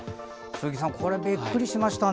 鈴木さん、これびっくりしました。